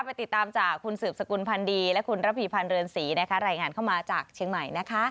ไปติดตามจากคุณสืบสกุลพันธ์ดีและคุณระพีพันธ์เรือนศรีรายงานเข้ามาจากเชียงใหม่นะคะ